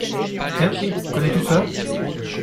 Tiens, connais-tu cela ?